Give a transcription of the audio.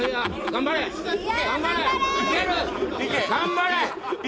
頑張れ！